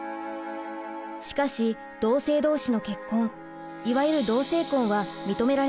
しかし同性同士の結婚いわゆる「同性婚」は認められていません。